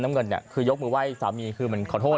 น้ำเงินก็เท่านี้คือขอโทษ